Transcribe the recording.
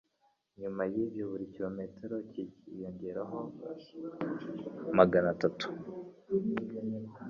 hanyuma y'ibyo buri kirometero kikiyongeraho magana tanu.